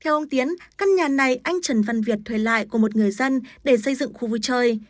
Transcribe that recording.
theo ông tiến căn nhà này anh trần văn việt thuê lại của một người dân để xây dựng khu vui chơi